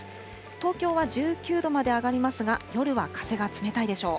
東京は１９度まで上がりますが、夜は風が冷たいでしょう。